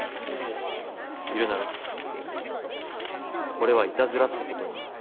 いるならこれはイタズラってことになる。